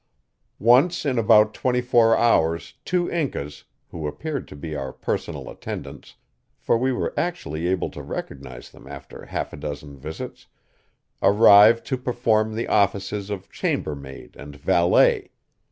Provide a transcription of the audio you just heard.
Once in about twenty four hours two Incas, who appeared to be our personal attendants for we were actually able to recognize them after half a dozen visits arrived to perform the offices of chambermaid and valet.